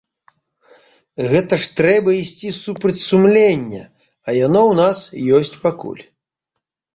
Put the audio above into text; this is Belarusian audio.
Гэта ж трэба ісці супраць сумлення, а яно ў нас ёсць пакуль.